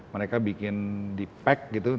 mereka bikin di pack gitu